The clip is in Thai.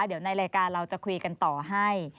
เดี๋ยวในรายการเราจะคุยกันต่อให้